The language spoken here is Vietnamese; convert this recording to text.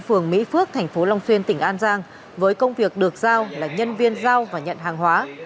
phường mỹ phước thành phố long xuyên tỉnh an giang với công việc được giao là nhân viên giao và nhận hàng hóa